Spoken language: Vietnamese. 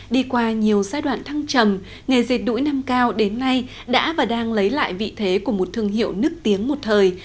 đi qua nhiều giai đoạn thăng trầm nghề dệt đũi nam cao đến nay đã và đang lấy lại vị thế của một thương hiệu nức tiếng một thời